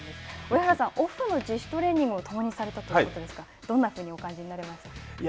上原さん、オフの自主トレーニングを共にされたということですがどんなふうにお感じになられましたか。